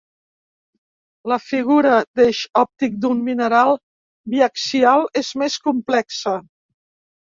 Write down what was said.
La figura d'eix òptic d'un mineral biaxial és més complexa.